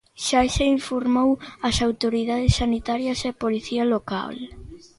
Xa se informou ás autoridades sanitarias e Policía Local.